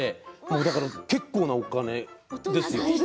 だから結構なお金ですよ。